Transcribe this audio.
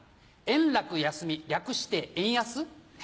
円楽休み略して「円ヤス」？